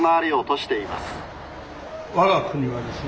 我が国はですね